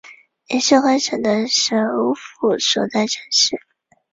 也是该省的首府所在城市。